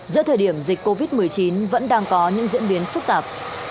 giữa thời điểm dịch covid một mươi chín vẫn đang có những diễn biến phức tạp